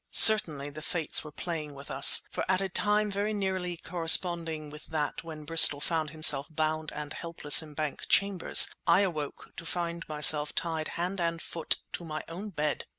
Certainly the Fates were playing with us, for at a time very nearly corresponding with that when Bristol found himself bound and helpless in Bank Chambers I awoke to find myself tied hand and foot to my own bed!